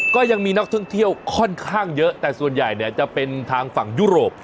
ก็ยังมีนักท่องเที่ยวค่อนข้างเยอะแต่ส่วนใหญ่เนี่ยจะเป็นทางฝั่งยุโรป